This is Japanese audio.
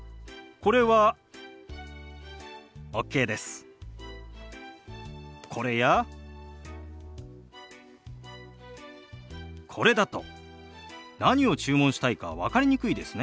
これだと何を注文したいか分かりにくいですね。